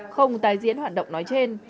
không tái diễn hoạt động nói trên